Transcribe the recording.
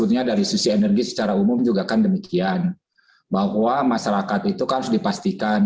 belajar the digital zaman dari pengelolaan ebt weakening pendatang ekonomi